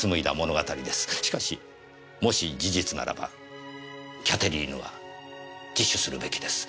しかしもし事実ならばキャテリーヌは自首するべきです。